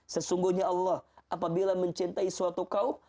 sesungguhnya allah apabila mencintai suatu kaum